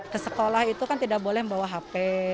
ke sekolah itu kan tidak boleh membawa hp